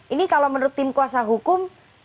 ini kalau menurut tim kuasa hukum